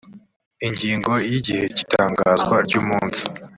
ingingo ya igihe cy itangazwa ry umunsi